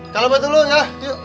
kalau bantu dulu ya